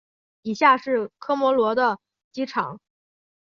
以下是科摩罗的机场。